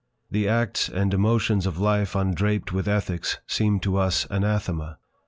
The acts and emotions of life undraped with ethics seem to us anathema.